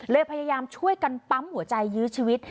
พยายามช่วยกันปั๊มหัวใจยื้อชีวิต